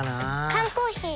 缶コーヒー